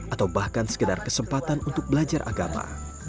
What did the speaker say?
atau bahkan sekedar kesempatan untuk belajar agama